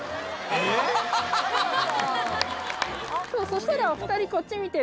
そしたらお２人こっち見て。